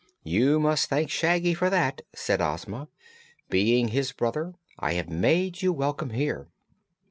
"You must thank Shaggy for that," said Ozma. "Being his brother, I have made you welcome here."